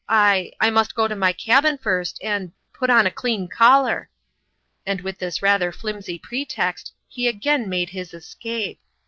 I I must go to my cabin first, and put on a clean collar." And with this rather flimsy pretext, he again made his escape.